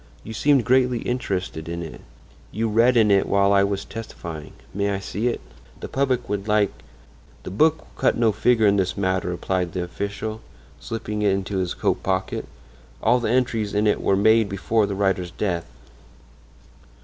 You seemed greatly interested in it; you read in it while I was testifying. May I see it? The public would like—" "The book will cut no figure in this matter," replied the official, slipping it into his coat pocket; "all the entries in it were made before the writer's death."